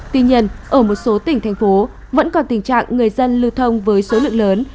tuy nhiên ở một số tỉnh thành phố vẫn còn tình trạng người dân lưu thông với số lượng lớn